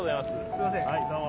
すみませんどうも。